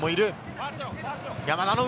山田の上。